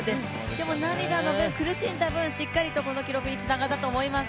でも涙の分、苦しんだ分、しっかりとこの記録につながったと思います。